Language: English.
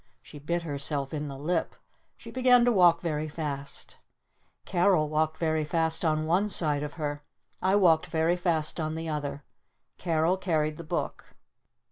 She bit herself in the lip. She began to walk very fast. Carol walked very fast on one side of her. I walked very fast on the other. Carol carried the book.